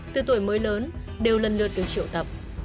từ tuổi mới lớn đều lần lượt được triệu tập